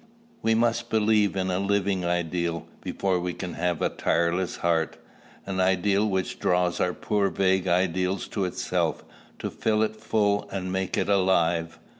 We must believe in a living ideal, before we can have a tireless heart; an ideal which draws our poor vague ideal to itself, to fill it full and make it alive."